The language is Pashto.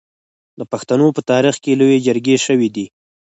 د پښتنو په تاریخ کې لویې جرګې شوي دي.